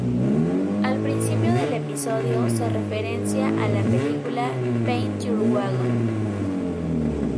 Al principio del episodio, se referencia a la película "Paint Your Wagon".